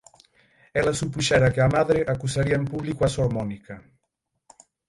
Ela supuxera que a Madre acusaría en público a sor Mónica.